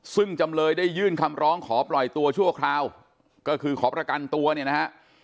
ซึ่งจำเลยได้ยื่นคำร้องขอปล่อยตัวชั่วคราวก็คือขอประกันตัวเนี่ยนะฮะ